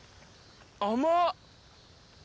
甘っ！